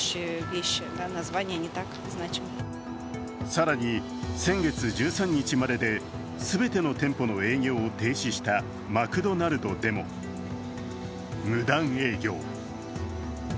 更に先月１３日までで全ての店舗の営業を停止したマクドナルドでも無断営業。